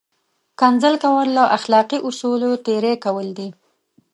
کنځل کول له اخلاقي اصولو تېری کول دي!